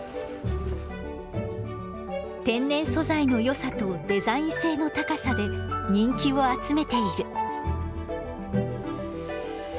天然素材のよさとデザイン性の高さで人気を集めている。